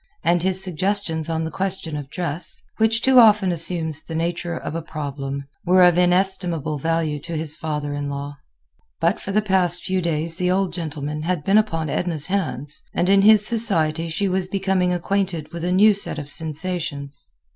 And his suggestions on the question of dress—which too often assumes the nature of a problem—were of inestimable value to his father in law. But for the past few days the old gentleman had been upon Edna's hands, and in his society she was becoming acquainted with a new set of sensations.